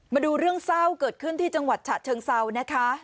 มาดูเรื่องเศร้าเกิดขึ้นที่จังหวัดฉะเชิงเซานะคะ